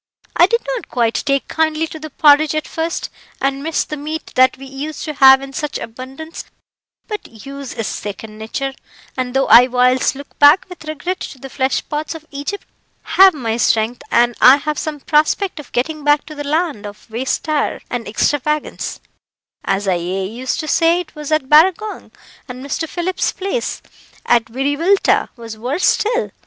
"I did not take quite kindly to the porridge at first, and missed the meat that we used to have in such abundance; but use is second nature, and though I whiles look back with regret to the flesh pots of Egypt, I have my strength, and I have some prospect of getting back to the land of wastrie and extravagance, as I aye used to say it was at Barragong; and Mr. Phillips's place, at Wiriwilta, was worse still.